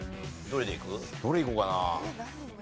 どれいこうかな？